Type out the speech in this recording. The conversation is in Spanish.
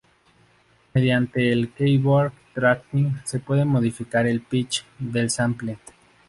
Mediante el "keyboard tracking" se puede modificar el "pitch" del sample.